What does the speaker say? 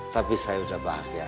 tapi saya udah bahagia